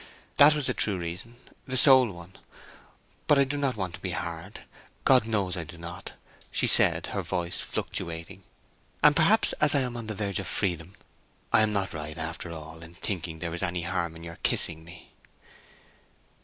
That was the true reason—the sole one. But I do not want to be hard—God knows I do not," she said, her voice fluctuating. "And perhaps—as I am on the verge of freedom—I am not right, after all, in thinking there is any harm in your kissing me."